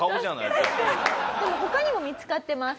でも他にも見つかってます。